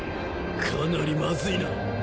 かなりまずいな。